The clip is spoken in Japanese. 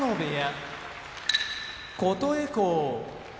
琴恵光